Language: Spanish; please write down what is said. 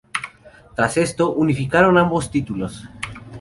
Tras esto, unificaron ambos títulos.